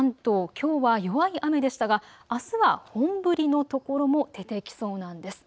きょうは弱い雨でしたがあすは本降りのところも出てきそうなんです。